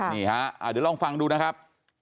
นี่ฮะเดี๋ยวลองฟังดูนะครับ